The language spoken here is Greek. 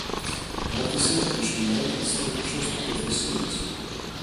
Πάτησε το σηματάκι της τρέχουσας τοποθεσίας